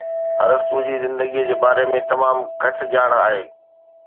ارسطو جي زندگيءَ جي باري ۾ تمام گھٽ ڄاڻ آھي